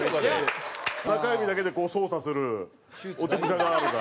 中指だけで操作する落ち武者ガールが。